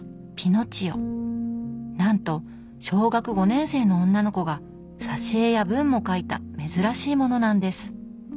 なんと小学５年生の女の子が挿絵や文も書いた珍しいものなんです。